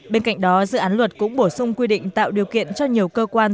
bên cạnh đó dự án luật cũng bổ sung quy định tạo điều kiện cho nhiều cơ quan